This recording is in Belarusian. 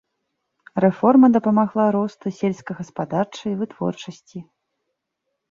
Рэформа дапамагла росту сельскагаспадарчай вытворчасці.